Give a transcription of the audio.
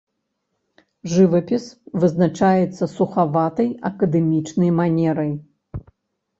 Жывапіс вызначаецца сухаватай акадэмічнай манерай.